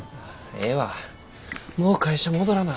ええわもう会社戻らな。